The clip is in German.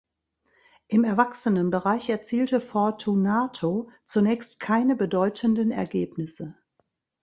Im Erwachsenenbereich erzielte Fortunato zunächst keine bedeutenden Ergebnisse.